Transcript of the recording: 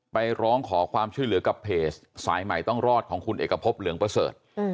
ร้องขอความช่วยเหลือกับเพจสายใหม่ต้องรอดของคุณเอกพบเหลืองประเสริฐ